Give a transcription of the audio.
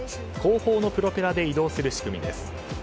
後方のプロペラで移動する仕組みです。